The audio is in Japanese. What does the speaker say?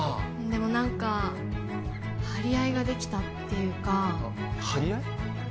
でも何か張り合いができたっていうか張り合い？